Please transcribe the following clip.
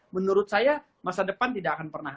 menurut saya masa depan tidak akan pernah